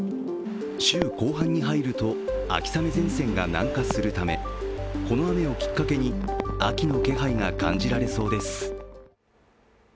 週後半に入ると、秋雨前線が南下するためこの雨をきっかけに、秋の気配が感じられそうです。